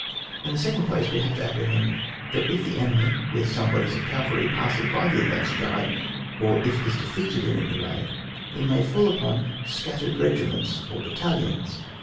In the second place, we have to apprehend that if tha enemy with some bodies of cavalry passes by the advanced guard, or if it is defeated in any way, he may fall upon scattered regiments or battalions.